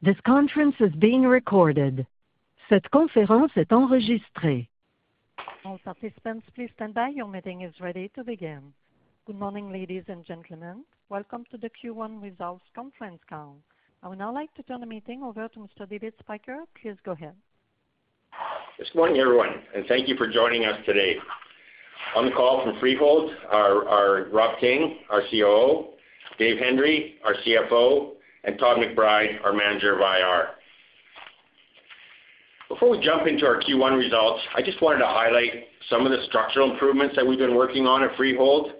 This conference is being recorded. Cette conférence est enregistrée. All participants, please stand by. Your meeting is ready to begin. Good morning, ladies and gentlemen. Welcome to the Q1 results conference call. I would now like to turn the meeting over to Mr. David Spyker. Please go ahead. This morning, everyone, and thank you for joining us today. On the call from Freehold are Rob King, our COO; Dave Hendry, our CFO; and Todd McBride, our Manager of IR. Before we jump into our Q1 results, I just wanted to highlight some of the structural improvements that we've been working on at Freehold.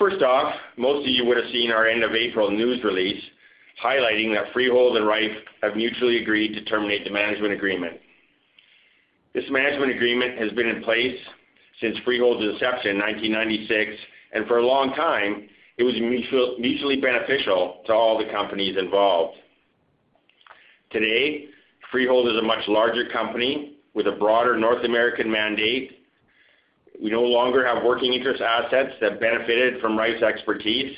First off, most of you would have seen our end-of-April news release highlighting that Freehold and Rife have mutually agreed to terminate the management agreement. This management agreement has been in place since Freehold's inception in 1996, and for a long time, it was mutually beneficial to all the companies involved. Today, Freehold is a much larger company with a broader North American mandate. We no longer have working interest assets that benefited from Rife's expertise,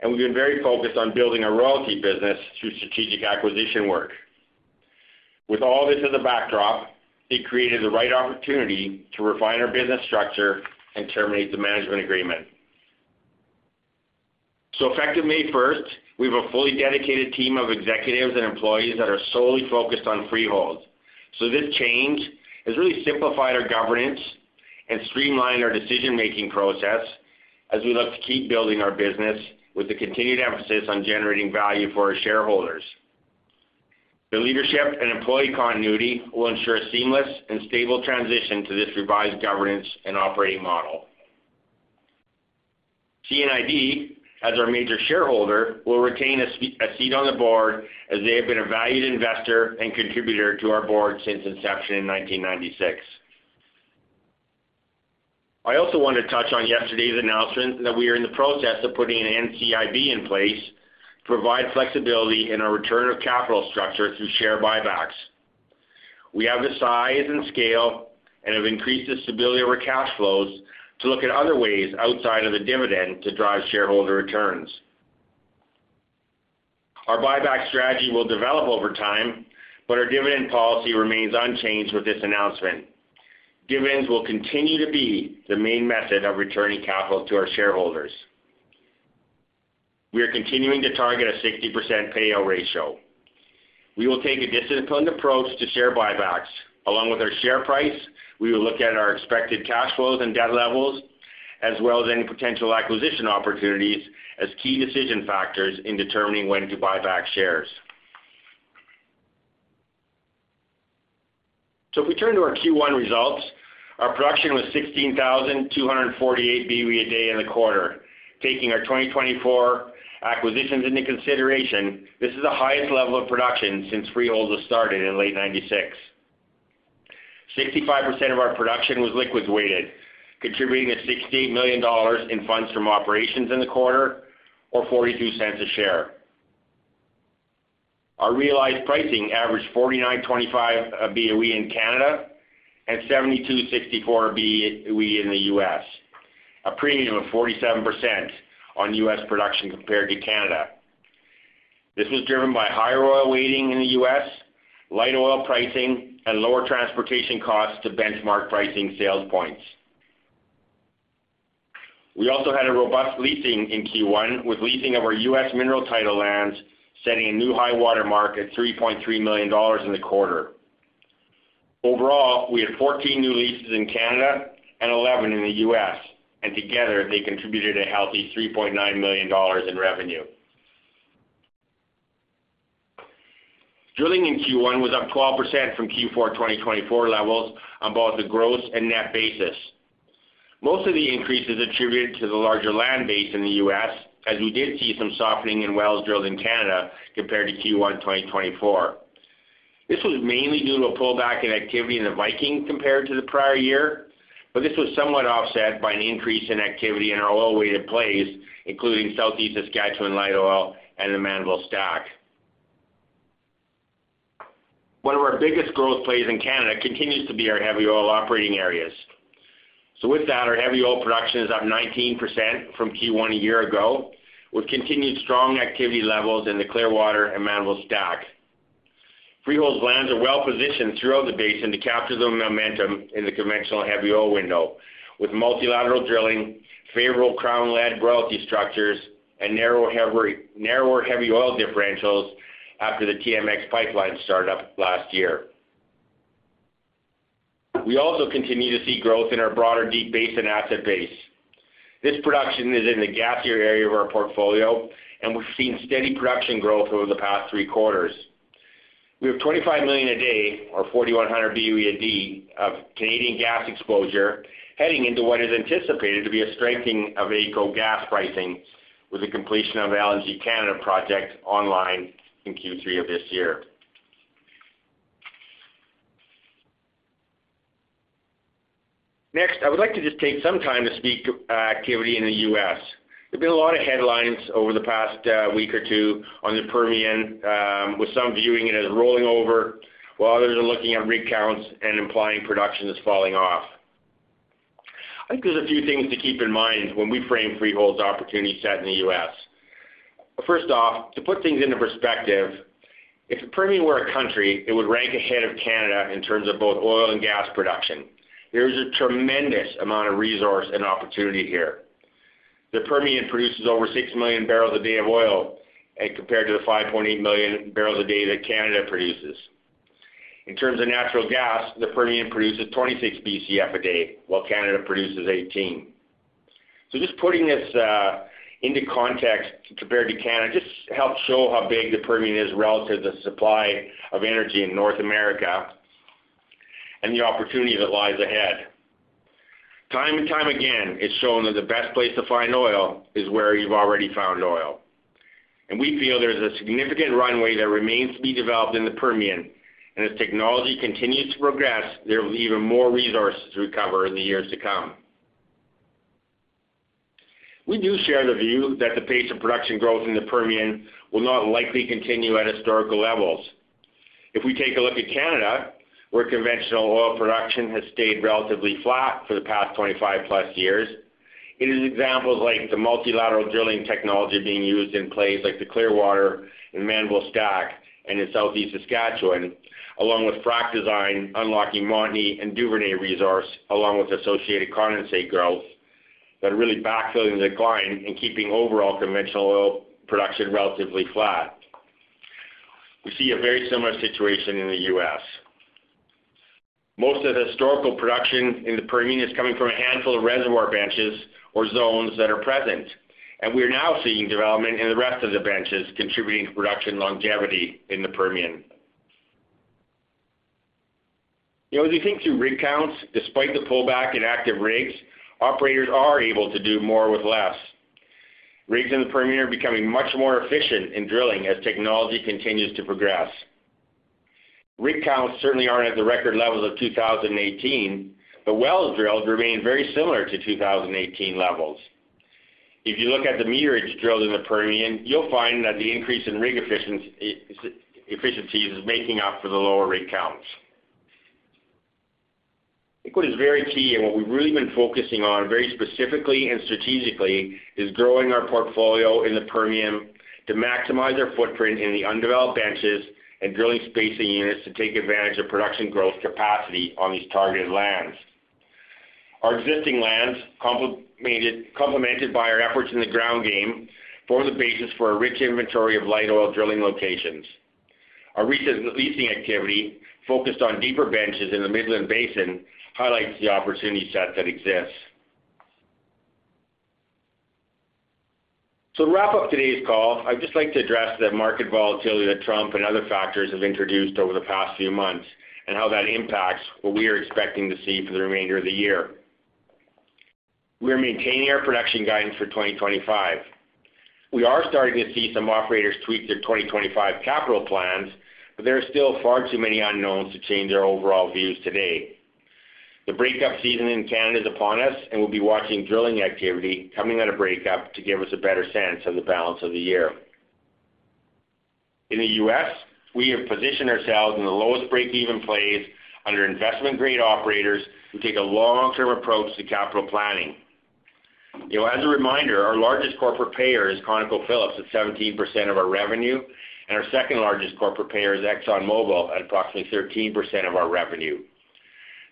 and we've been very focused on building a royalty business through strategic acquisition work. With all this as a backdrop, they created the right opportunity to refine our business structure and terminate the management agreement. Effective May 1, we have a fully dedicated team of executives and employees that are solely focused on Freehold. This change has really simplified our governance and streamlined our decision-making process as we look to keep building our business with the continued emphasis on generating value for our shareholders. The leadership and employee continuity will ensure a seamless and stable transition to this revised governance and operating model. C&ID, as our major shareholder, will retain a seat on the board as they have been a valued investor and contributor to our board since inception in 1996. I also want to touch on yesterday's announcement that we are in the process of putting an NCIB in place to provide flexibility in our return of capital structure through share buybacks. We have the size and scale and have increased the stability of our cash flows to look at other ways outside of the dividend to drive shareholder returns. Our buyback strategy will develop over time, but our dividend policy remains unchanged with this announcement. Dividends will continue to be the main method of returning capital to our shareholders. We are continuing to target a 60% payout ratio. We will take a disciplined approach to share buybacks. Along with our share price, we will look at our expected cash flows and debt levels, as well as any potential acquisition opportunities as key decision factors in determining when to buy back shares. If we turn to our Q1 results, our production was 16,248 BOE a day in the quarter. Taking our 2024 acquisitions into consideration, this is the highest level of production since Freehold was started in late 1996. 65% of our production was liquids weighted, contributing to $68 million in funds from operations in the quarter, or $0.42 a share. Our realized pricing averaged 49.25 per BOE in Canada and 72.64 per BOE in the U.S., a premium of 47% on U.S. production compared to Canada. This was driven by higher oil weighting in the US, lighter oil pricing, and lower transportation costs to benchmark pricing sales points. We also had robust leasing in Q1, with leasing of our US mineral title lands setting a new high watermark at $3.3 million in the quarter. Overall, we had 14 new leases in Canada and 11 in the US, and together they contributed a healthy $3.9 million in revenue. Drilling in Q1 was up 12% from Q4 2024 levels on both a gross and net basis. Most of the increase is attributed to the larger land base in the US, as we did see some softening in wells drilled in Canada compared to Q1 2024. This was mainly due to a pullback in activity in the Viking compared to the prior year, but this was somewhat offset by an increase in activity in our oil-weighted plays, including Southeast Saskatchewan light oil and the Mannville stack. One of our biggest growth plays in Canada continues to be our heavy oil operating areas. With that, our heavy oil production is up 19% from Q1 a year ago, with continued strong activity levels in the Clearwater and Mannville stack. Freehold's lands are well positioned throughout the basin to capture the momentum in the conventional heavy oil window, with multilateral drilling, favorable crown-led royalty structures, and narrower heavy oil differentials after the TMX pipeline startup last year. We also continue to see growth in our broader Deep Basin asset base. This production is in the gasier area of our portfolio, and we've seen steady production growth over the past three quarters. We have 25 million a day, or 4,100 BOE a day, of Canadian gas exposure heading into what is anticipated to be a strengthening of AECO gas pricing with the completion of the LNG Canada project online in Q3 of this year. Next, I would like to just take some time to speak activity in the US. There have been a lot of headlines over the past week or two on the Permian, with some viewing it as rolling over, while others are looking at recounts and implying production is falling off. I think there's a few things to keep in mind when we frame Freehold's opportunity set in the US. First off, to put things into perspective, if the Permian were a country, it would rank ahead of Canada in terms of both oil and gas production. There is a tremendous amount of resource and opportunity here. The Permian produces over 6 million barrels a day of oil compared to the 5.8 million barrels a day that Canada produces. In terms of natural gas, the Permian produces 26 BCF a day, while Canada produces 18. Just putting this into context compared to Canada just helps show how big the Permian is relative to the supply of energy in North America and the opportunity that lies ahead. Time and time again, it's shown that the best place to find oil is where you've already found oil. We feel there's a significant runway that remains to be developed in the Permian, and as technology continues to progress, there will be even more resources to recover in the years to come. We do share the view that the pace of production growth in the Permian will not likely continue at historical levels. If we take a look at Canada, where conventional oil production has stayed relatively flat for the past 25-plus years, it is examples like the multilateral drilling technology being used in plays like the Clearwater and Mannville stack and in Southeast Saskatchewan, along with frac design unlocking Montney and Duvernay resource, along with associated condensate growth that are really backfilling the decline and keeping overall conventional oil production relatively flat. We see a very similar situation in the US. Most of the historical production in the Permian is coming from a handful of reservoir benches or zones that are present, and we are now seeing development in the rest of the benches contributing to production longevity in the Permian. As we think through recounts, despite the pullback in active rigs, operators are able to do more with less. Rigs in the Permian are becoming much more efficient in drilling as technology continues to progress. Rig counts certainly are not at the record levels of 2018, but wells drilled remain very similar to 2018 levels. If you look at the meterage drilled in the Permian, you will find that the increase in rig efficiencies is making up for the lower rig counts. What is very key and what we have really been focusing on very specifically and strategically is growing our portfolio in the Permian to maximize our footprint in the undeveloped benches and drilling spacing units to take advantage of production growth capacity on these targeted lands. Our existing lands, complemented by our efforts in the ground game, form the basis for a rich inventory of light oil drilling locations. Our recent leasing activity, focused on deeper benches in the Midland Basin, highlights the opportunity set that exists. To wrap up today's call, I'd just like to address the market volatility that Trump and other factors have introduced over the past few months and how that impacts what we are expecting to see for the remainder of the year. We are maintaining our production guidance for 2025. We are starting to see some operators tweak their 2025 capital plans, but there are still far too many unknowns to change our overall views today. The breakup season in Canada is upon us, and we'll be watching drilling activity coming out of breakup to give us a better sense of the balance of the year. In the U.S., we have positioned ourselves in the lowest break-even plays under investment-grade operators who take a long-term approach to capital planning. As a reminder, our largest corporate payer is ConocoPhillips, at 17% of our revenue, and our second-largest corporate payer is ExxonMobil, at approximately 13% of our revenue.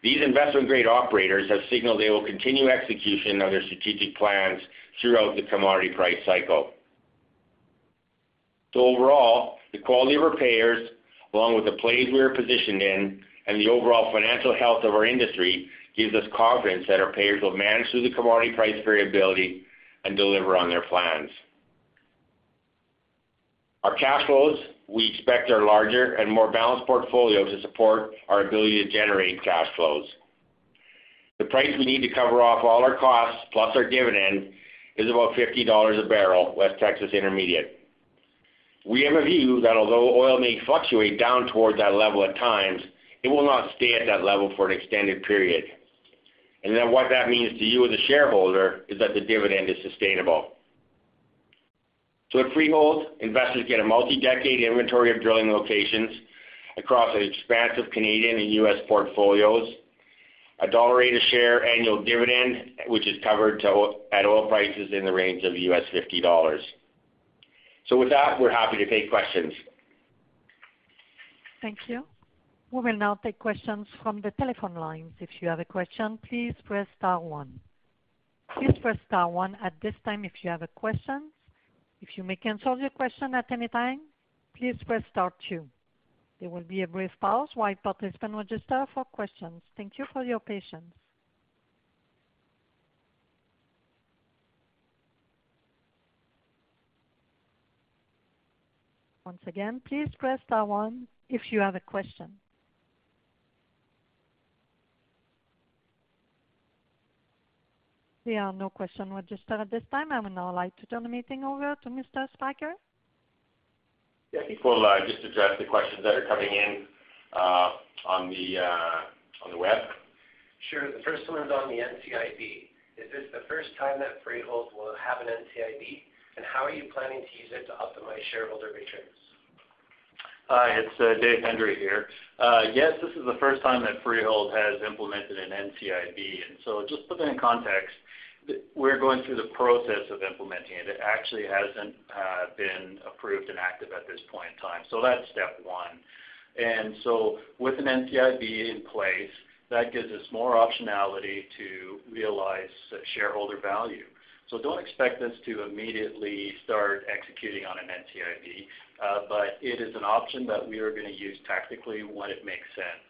These investment-grade operators have signaled they will continue execution of their strategic plans throughout the commodity price cycle. Overall, the quality of our payers, along with the plays we are positioned in and the overall financial health of our industry, gives us confidence that our payers will manage through the commodity price variability and deliver on their plans. Our cash flows, we expect our larger and more balanced portfolio to support our ability to generate cash flows. The price we need to cover off all our costs, plus our dividend, is about $50 a barrel West Texas Intermediate. We have a view that although oil may fluctuate down toward that level at times, it will not stay at that level for an extended period. What that means to you as a shareholder is that the dividend is sustainable. At Freehold, investors get a multi-decade inventory of drilling locations across an expansive Canadian and U.S. portfolios, a $1 per share annual dividend, which is covered at oil prices in the range of $50. With that, we're happy to take questions. Thank you. We will now take questions from the telephone lines. If you have a question, please press star one. Please press star one at this time if you have a question. If you wish to cancel your question at any time, please press star two. There will be a brief pause while participants register for questions. Thank you for your patience. Once again, please press star one if you have a question. There are no questions registered at this time. I will now like to turn the meeting over to Mr. Spyker. Yeah, I think we'll just address the questions that are coming in on the web. Sure. The first one is on the NCIB. Is this the first time that Freehold will have an NCIB, and how are you planning to use it to optimize shareholder returns? Hi, it's Dave Hendry here. Yes, this is the first time that Freehold has implemented an NCIB. Just putting in context, we're going through the process of implementing it. It actually hasn't been approved and active at this point in time. That's step one. With an NCIB in place, that gives us more optionality to realize shareholder value. Don't expect us to immediately start executing on an NCIB, but it is an option that we are going to use tactically when it makes sense.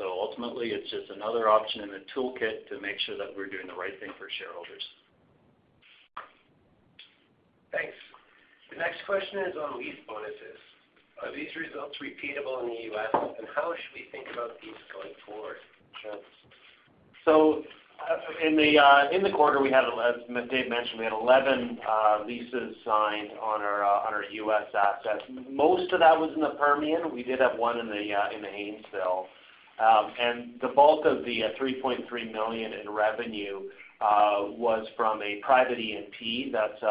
Ultimately, it's just another option in the toolkit to make sure that we're doing the right thing for shareholders. Thanks. The next question is on lease bonuses. Are these results repeatable in the US, and how should we think about these going forward? Sure. In the quarter, as Dave mentioned, we had 11 leases signed on our US assets. Most of that was in the Permian. We did have one in the Haynesville. The bulk of the $3.3 million in revenue was from a private E&P that's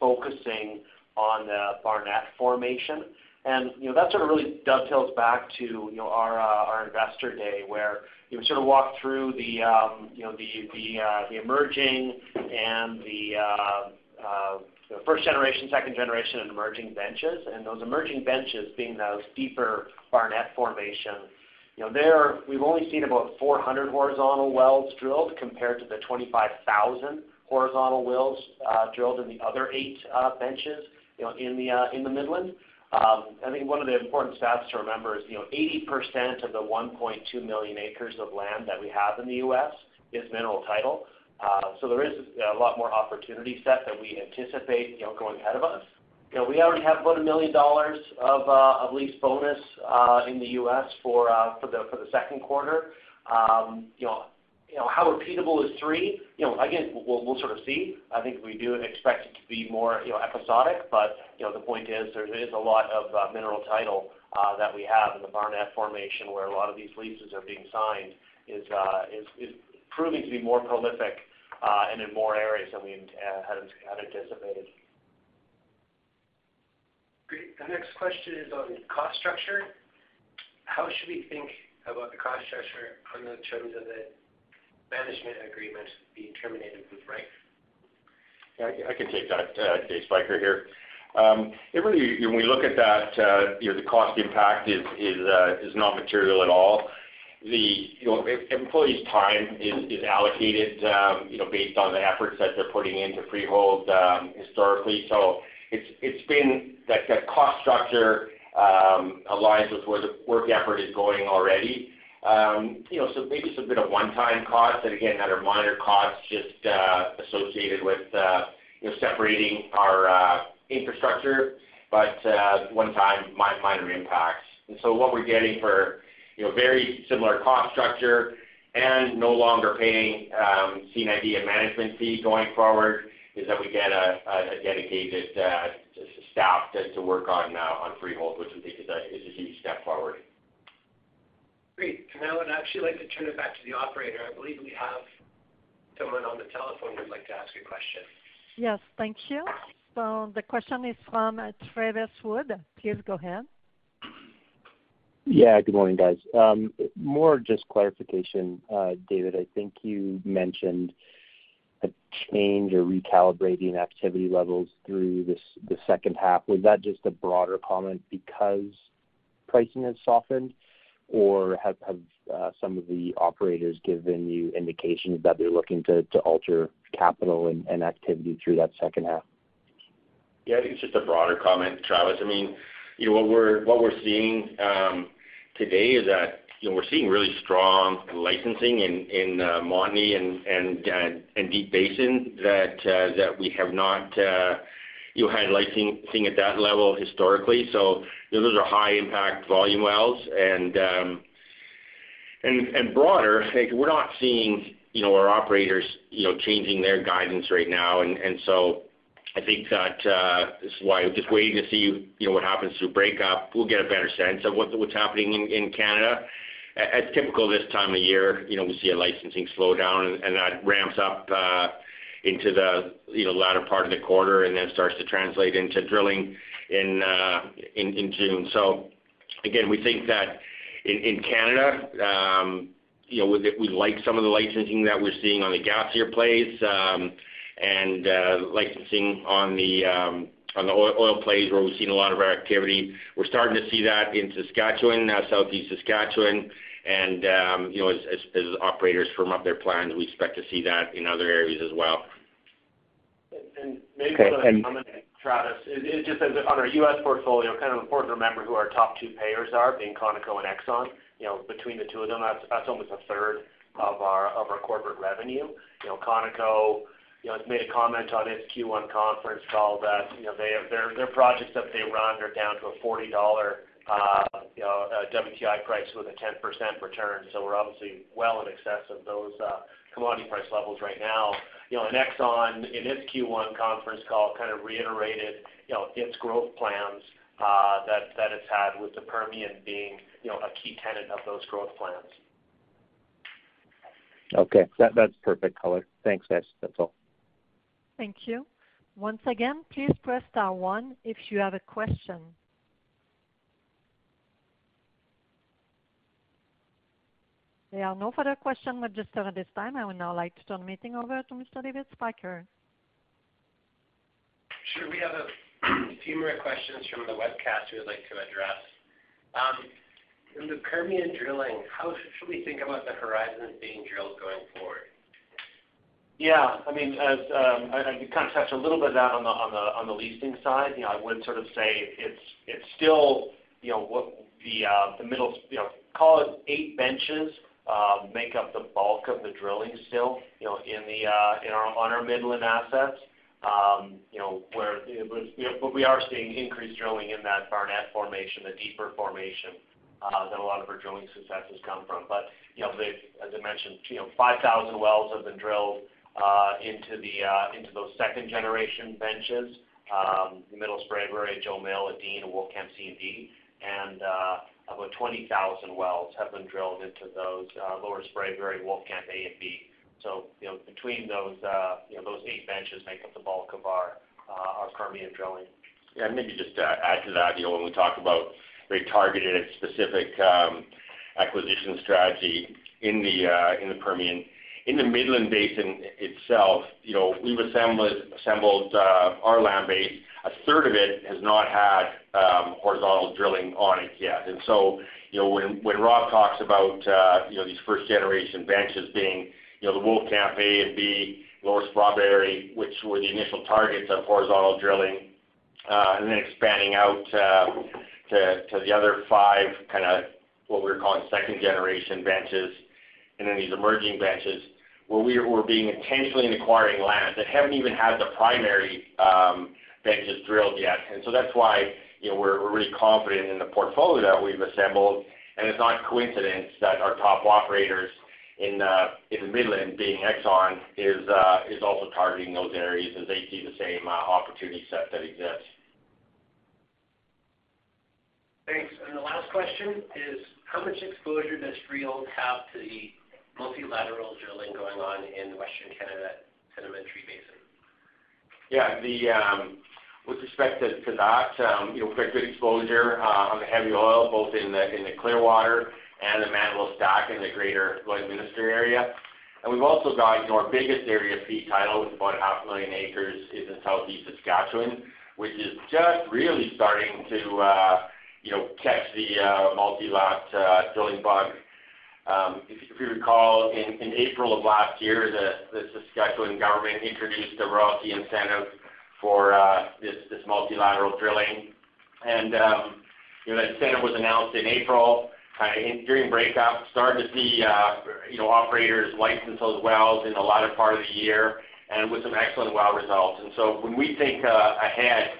focusing on the Barnett Formation. That really dovetails back to our investor day, where we walked through the emerging and the First Generation, second generation, and emerging benches. Those emerging benches being those deeper Barnett Formations, we've only seen about 400 horizontal wells drilled compared to the 25,000 horizontal wells drilled in the other eight benches in the Midland. I think one of the important stats to remember is 80% of the 1.2 million acres of land that we have in the U.S. is mineral title. There is a lot more opportunity set that we anticipate going ahead of us. We already have about $1 million of lease bonus in the U.S. for the second quarter. How repeatable is three? Again, we'll sort of see. I think we do expect it to be more episodic, but the point is there is a lot of mineral title that we have in the Barnett Formation where a lot of these leases are being signed is proving to be more prolific and in more areas than we had anticipated. Great. The next question is on cost structure. How should we think about the cost structure in terms of the management agreement being terminated with Rife? Yeah, I can take that, Dave Spyker here. Really, when we look at that, the cost impact is non-material at all. Employees' time is allocated based on the efforts that they're putting into Freehold historically. It has been that cost structure aligns with where the work effort is going already. Maybe it is a bit of one-time costs that, again, are minor costs just associated with separating our infrastructure, but one-time minor impacts. What we are getting for very similar cost structure and no longer paying C&ID and management fee going forward is that we get a dedicated staff to work on Freehold, which we think is a huge step forward. Great. I would actually like to turn it back to the operator. I believe we have someone on the telephone who would like to ask a question. Yes, thank you. So the question is from Travis Wood. Please go ahead. Yeah, good morning, guys. More just clarification, David. I think you mentioned a change or recalibrating activity levels through the second half. Was that just a broader comment because pricing has softened, or have some of the operators given you indications that they're looking to alter capital and activity through that second half? Yeah, I think it's just a broader comment, Travis. I mean, what we're seeing today is that we're seeing really strong licensing in Montney and Deep Basin that we have not had licensing at that level historically. Those are high-impact volume wells and broader. We're not seeing our operators changing their guidance right now. I think that this is why we're just waiting to see what happens through breakup. We'll get a better sense of what's happening in Canada. At typical this time of year, we see a licensing slowdown, and that ramps up into the latter part of the quarter and then starts to translate into drilling in June. Again, we think that in Canada, we like some of the licensing that we're seeing on the Gapsier plays and licensing on the oil plays where we've seen a lot of our activity. We're starting to see that in Saskatchewan, Southeast Saskatchewan. As operators firm up their plans, we expect to see that in other areas as well. Maybe one comment, Travis, just on our US portfolio, kind of important to remember who our top two payers are, being ConocoPhillips and ExxonMobil. Between the two of them, that's almost a third of our corporate revenue. ConocoPhillips has made a comment on its Q1 conference call that their projects that they run are down to a $40 WTI price with a 10% return. We are obviously well in excess of those commodity price levels right now. ExxonMobil, in its Q1 conference call, kind of reiterated its growth plans that it has had with the Permian being a key tenet of those growth plans. Okay. That's perfect color. Thanks, guys. That's all. Thank you. Once again, please press star one if you have a question. There are no further questions registered at this time. I will now like to turn the meeting over to Mr. David Spyker. Sure. We have a few more questions from the webcast we'd like to address. In the Permian drilling, how should we think about the horizons being drilled going forward? Yeah. I mean, as I kind of touched a little bit on the leasing side, I would sort of say it's still the middle, call it, eight benches make up the bulk of the drilling still in our Midland assets, where we are seeing increased drilling in that Barnett Formation, the deeper formation that a lot of our drilling success has come from. As I mentioned, 5,000 wells have been drilled into those second-generation benches: the Middle Sprayberry, Jo Mill, Dean, Wolfcamp C and D, and about 20,000 wells have been drilled into those Lower Sprayberry, Wolfcamp A and B. Between those, those eight benches make up the bulk of our Permian drilling. Yeah. Maybe just add to that, when we talk about very targeted and specific acquisition strategy in the Permian. In the Midland Basin itself, we've assembled our land base. A third of it has not had horizontal drilling on it yet. When Rob talks about these first-generation benches being the Wolfcamp A & B, Lower Sprayberry, which were the initial targets of horizontal drilling, and then expanding out to the other five, kind of what we're calling second-generation benches, and then these emerging benches, where we're being intentional in acquiring land that haven't even had the primary benches drilled yet. That's why we're really confident in the portfolio that we've assembled. It's not coincidence that our top operators in the Midland, being ExxonMobil, is also targeting those areas as they see the same opportunity set that exists. Thanks. The last question is, how much exposure does Freehold have to the multilateral drilling going on in the Western Canada Sedimentary Basin? Yeah. With respect to that, we've got good exposure on the heavy oil, both in the Clearwater and the Mannville stack in the greater Lloydminster area. We've also got our biggest area of fee title with about 500,000 acres in Southeast Saskatchewan, which is just really starting to catch the multilateral drilling bug. If you recall, in April of last year, the Saskatchewan government introduced a royalty incentive for this multilateral drilling. That incentive was announced in April during breakup. Started to see operators license those wells in the latter part of the year with some excellent well results. When we think ahead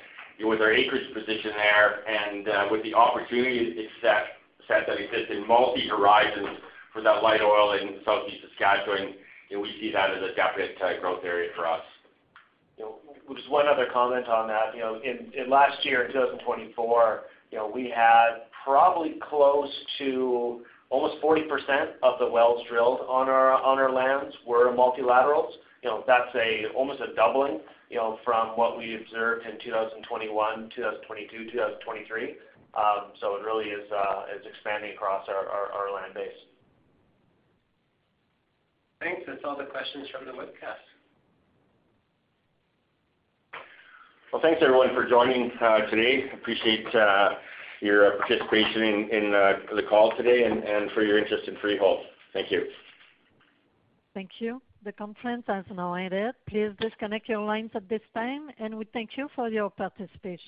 with our acreage position there and with the opportunity set that exists in multi-horizons for that light oil in Southeast Saskatchewan, we see that as a definite growth area for us. Just one other comment on that. In last year, in 2024, we had probably close to almost 40% of the wells drilled on our lands were multilaterals. That's almost a doubling from what we observed in 2021, 2022, 2023. It really is expanding across our land base. Thanks. That's all the questions from the webcast. Thanks, everyone, for joining today. Appreciate your participation in the call today and for your interest in Freehold. Thank you. Thank you. The conference has now ended. Please disconnect your lines at this time, and we thank you for your participation.